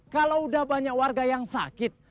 kalau udah banyak warga yang sakit